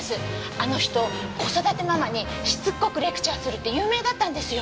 あの人子育てママにしつこくレクチャーするって有名だったんですよ。